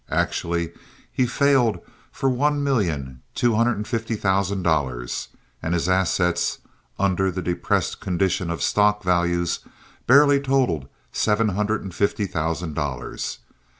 Actually he failed for one million two hundred and fifty thousand dollars; and his assets, under the depressed condition of stock values, barely totaled seven hundred and fifty thousand dollars.